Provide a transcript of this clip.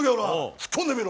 ツッコんでみろ。